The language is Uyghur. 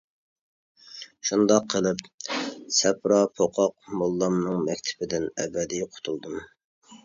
شۇنداق قىلىپ، سەپرا پوقاق موللامنىڭ مەكتىپىدىن ئەبەدىي قۇتۇلدۇم.